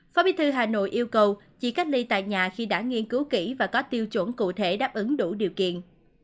phó bí thư hà nội yêu cầu chỉ cách ly tại nhà khi đã nghiên cứu kỹ và có tiêu chuẩn cụ thể đáp ứng đủ điều kiện